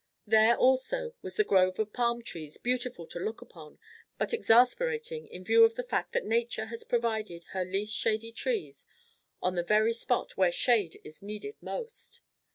There, also, was the grove of palm trees beautiful to look upon, but exasperating in view of the fact that Nature has provided her least shady trees on the very spot where shade is needed most.